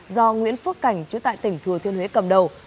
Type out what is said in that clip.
do nguyễn phước cảnh chủ tại tỉnh thừa thiên huế cầm đầu